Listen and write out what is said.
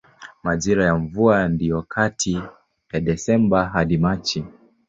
Majira ya mvua ndiyo kati ya Desemba hadi Machi.